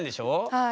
はい。